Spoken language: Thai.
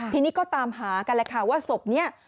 ทีนี้ก็ตามหากันแหละค่ะว่าศพนี้